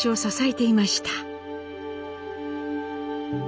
え？